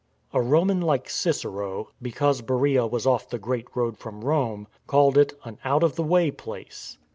^ A Roman like Cicero, be cause Bercea was off the great road from Rome, called it " an out of the way place."